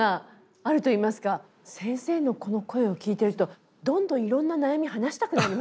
先生のこの声を聞いてるとどんどんいろんな悩み話したくなりますね。